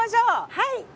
はい！